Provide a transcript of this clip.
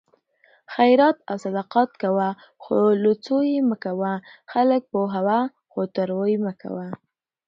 خیرات او صدقات کوه خو لوڅوه یې مه؛ خلک پوهوه خو توروه یې مه